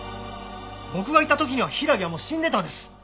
僕が行った時には柊はもう死んでたんです！